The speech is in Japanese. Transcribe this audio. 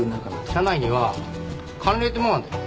社内には慣例ってもんあんだよ